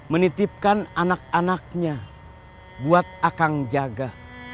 menitipkan anak anaknya buat akang jaga